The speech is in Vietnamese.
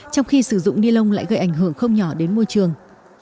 trong khi sử dụng ni lông lại gây ảnh hưởng không nhỏ đến môi trường